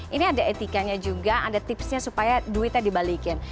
ini ada etikanya juga ada tipsnya supaya duitnya dibalikin